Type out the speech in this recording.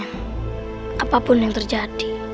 apapun yang terjadi